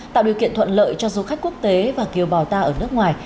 tạo điều kiện thuận lợi cho du khách quốc tế và kiều bào ta ở nước ngoài